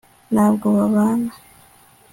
ntabwo babana